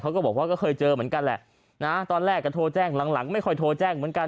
ก็บอกว่าก็เคยเจอเหมือนกันแหละนะตอนแรกก็โทรแจ้งหลังหลังไม่ค่อยโทรแจ้งเหมือนกัน